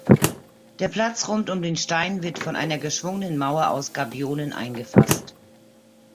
Der Platz rund um den Stein wird von einer geschwungenen Mauer aus Gabionen eingefasst.